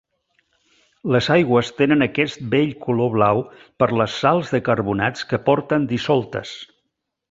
Les aigües tenen aquest bell color blau per les sals de carbonats que porten dissoltes.